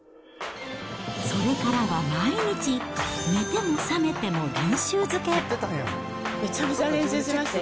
それからは毎日、めちゃめちゃ練習しましたよ。